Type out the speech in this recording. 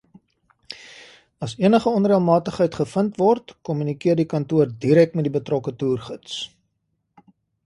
As enige onreëlmatigheid gevind word, kommunikeer die kantoor direk met die betrokke Toergids.